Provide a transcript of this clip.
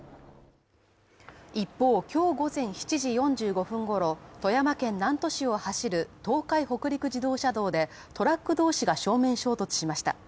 一方、今日午前７時４５分ごろ、富山県南砺市を走る東海北陸自動車道でトラック同士が正面衝突しました。